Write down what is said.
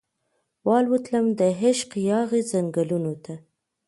والوتم دعشق یاغې ځنګلونو ته